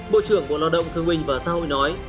bộ trưởng bộ lao động thương minh và xã hội nói